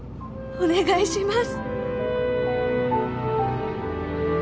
お願いします